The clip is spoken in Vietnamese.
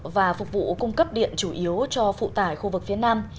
và phục vụ cung cấp điện chủ yếu cho phụ tải khu vực phía nam